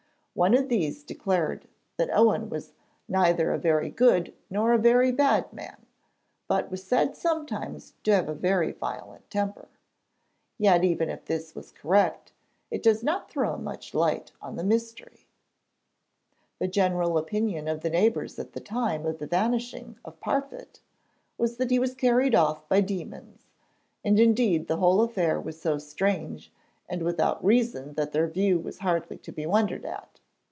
One of these declared that Owen was 'neither a very good nor a very bad man, but was said sometimes to have a very violent temper.' Yet, even if this was correct, it does not throw much light on the mystery. The general opinion of the neighbours at the time of the vanishing of Parfitt was that he was carried off by demons, and indeed the whole affair was so strange and without reason that their view was hardly to be wondered at.